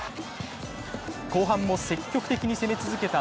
後半も積極的に攻め続けた